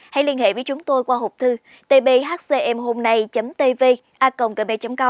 hãy liên hệ với chúng tôi qua hộp thư tbhcmhômnay tv com